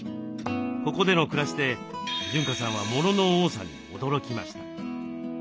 ここでの暮らしで潤香さんはモノの多さに驚きました。